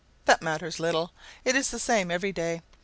That matters little; it is the same every day.